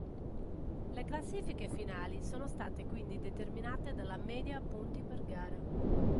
Le classifiche finali sono state quindi determinate dalla media punti per gara.